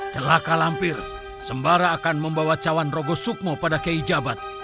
celaka lampir sembara akan membawa cawan rogo sukmo pada kiai jabat